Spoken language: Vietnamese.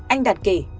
anh đạt kể